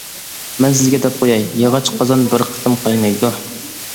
مەن سىزگە دەپ قوياي، ياغاچ قازان بىر قېتىم قاينايدۇ.